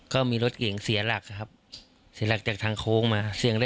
ก็มีรถเก่งเสียหลักครับเสียหลักจากทางโค้งมาเสียงเล็ก